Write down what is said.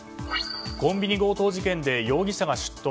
コンビニ強盗事件で容疑者が出頭。